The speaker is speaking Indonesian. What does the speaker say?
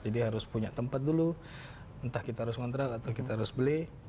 jadi harus punya tempat dulu entah kita harus kontrak atau kita harus beli